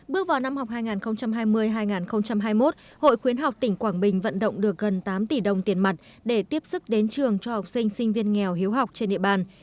bước vào năm học hai nghìn hai mươi hai nghìn hai mươi một hội khuyến học tỉnh quảng bình vận động được gần tám tỷ đồng tiền mặt để tiếp sức đến trường cho học sinh sinh viên nghèo hiếu học trên địa bàn